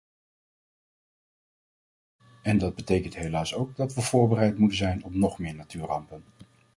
En dat betekent helaas ook dat we voorbereid moeten zijn op nog meer natuurrampen.